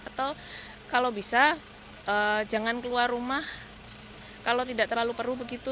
atau kalau bisa jangan keluar rumah kalau tidak terlalu perlu begitu